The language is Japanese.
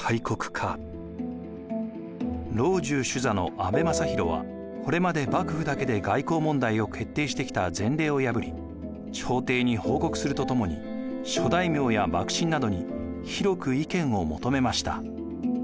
老中首座の阿部正弘はこれまで幕府だけで外交問題を決定してきた前例を破り朝廷に報告するとともに諸大名や幕臣などに広く意見を求めました。